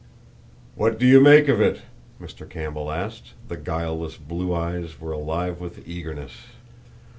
"What do you make of it?" Mr. Campbell asked. The guileless blue eyes were alive with eagerness.